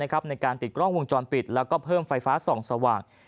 ในการติดกล้องวงจรปิดแล้วก็เพิ่มไฟฟ้าส่องสว่าง